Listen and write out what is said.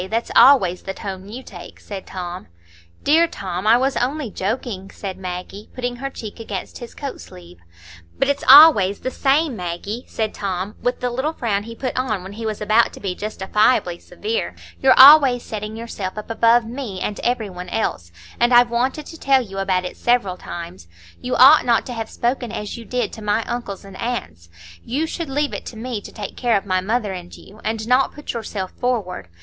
That's always the tone you take," said Tom. "Dear Tom, I was only joking," said Maggie, putting her cheek against his coat sleeve. "But it's always the same, Maggie," said Tom, with the little frown he put on when he was about to be justifiably severe. "You're always setting yourself up above me and every one else, and I've wanted to tell you about it several times. You ought not to have spoken as you did to my uncles and aunts; you should leave it to me to take care of my mother and you, and not put yourself forward.